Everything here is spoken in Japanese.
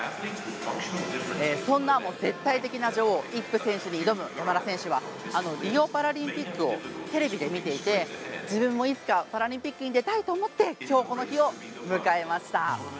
そんな絶対的な女王イップ選手に挑む山田選手はリオパラリンピックをテレビで見ていて自分もいつかパラリンピックに出たいと思ってきょう、この日を迎えました。